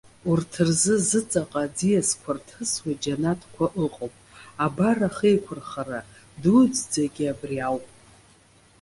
Урҭ рзы зыҵаҟа аӡиасқәа рҭысуа џьанаҭқәа ыҟоуп. Абар, ахеиқәырхара дуӡӡагьы абри ауп.